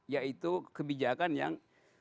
yaitu kebijakan yang